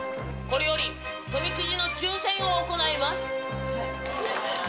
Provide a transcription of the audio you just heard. これより富くじの抽選を行います。